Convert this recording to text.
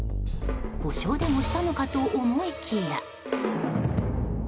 故障でもしたのかと思いきや。